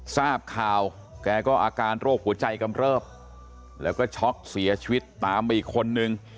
ทราบข่าวแกก็อาการโรคหัวใจกำเริบแล้วก็ช็อกเสียชีวิตตามไปอีกคนนึง